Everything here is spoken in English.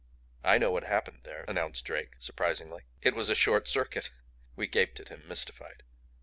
"I know what happened there," announced Drake, surprisingly. "It was a short circuit!" We gaped at him, mystified.